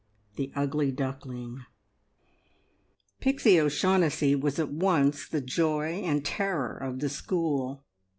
THE UGLY DUCKLING. Pixie O'Shaughnessy was at once the joy and terror of the school.